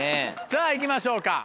さぁ行きましょうか。